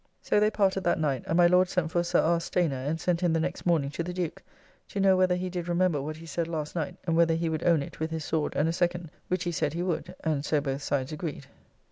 So they parted that night; and my Lord sent for Sir R. Stayner and sent him the next morning to the Duke, to know whether he did remember what he said last night, and whether he would own it with his sword and a second; which he said he would, and so both sides agreed.